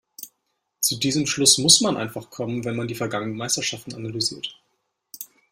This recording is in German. Zu diesem Schluss muss man einfach kommen, wenn man die vergangenen Meisterschaften analysiert.